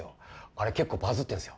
あれ結構バズってるんすよ。